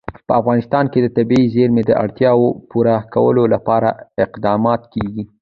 په افغانستان کې د طبیعي زیرمې د اړتیاوو پوره کولو لپاره اقدامات کېږي.